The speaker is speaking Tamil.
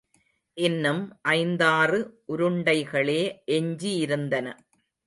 இன்னும் ஐந்தாறு உருண்டைகளே எஞ்சியிருந்தன.